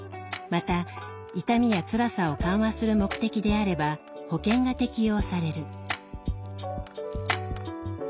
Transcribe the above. また痛みやつらさを緩和する目的であれば保険が適用される。